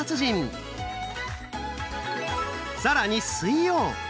更に水曜！